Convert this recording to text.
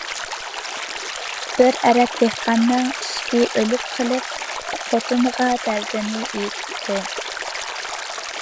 بىر ئەرەب دېھقاننىڭ ئېشىكى ئۆلۈپ قېلىپ، خوتۇنىغا دەردىنى ئېيتىپتۇ.